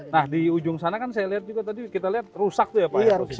nah di ujung sana kan saya lihat juga tadi kita lihat rusak tuh ya pak ya